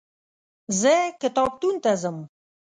زه کتابتون ته ځم.